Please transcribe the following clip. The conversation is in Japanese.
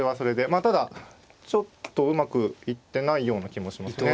まあただちょっとうまくいってないような気もしますね。